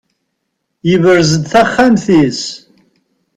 Yebrez-d taxxamt-is?